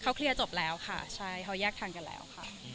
เขาเคลียร์จบแล้วค่ะใช่เขาแยกทางกันแล้วค่ะ